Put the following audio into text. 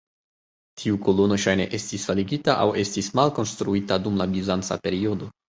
Tiu kolono ŝajne estis faligita aŭ estis malkonstruita dum la bizanca periodo.